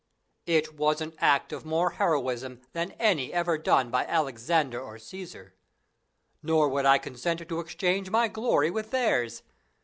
Peter. It was an act of more heroism than any ever done by Alexander or Caesar. Nor would I consent to exchange my glory with theirs.